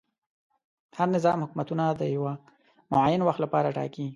هر نظام حکومتونه د یوه معین وخت لپاره ټاکي.